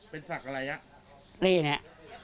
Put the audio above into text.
เป็นสักอะไร